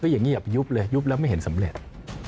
ว่าอย่างนี้อย่าไปยุบเลยยุบแล้วไม่เห็นสำเร็จ